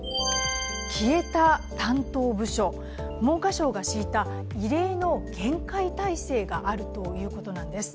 消えた担当部署、文科省が敷いた異例の厳戒態勢があるということなんです。